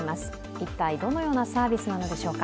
一体どのようなサービスなのでしょうか。